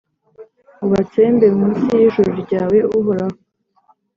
ubatsembe mu nsi y’ijuru ryawe, Uhoraho.